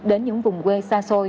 đến những vùng quê xa